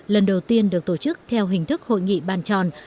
lần đầu tiên được tổ chức theo hình thức hội nghị bàn tròn